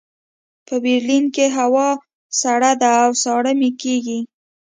په برلین کې هوا سړه ده او ساړه مې کېږي